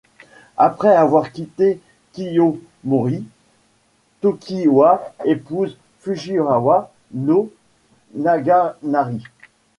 Après avoir quitté Kiyomori, Tokiwa épouse Fujiwara no Naganari.